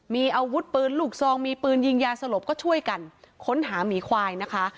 มีอาวุธปืนลูกซองมีปืนยิงยาสลบก็ช่วยกันค้นหาหมีควายนะคะ